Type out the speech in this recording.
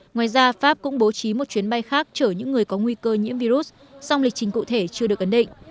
ngoài ra pháp cũng bố trí một chuyến bay khác chở những người có nguy cơ nhiễm virus song lịch trình cụ thể chưa được ấn định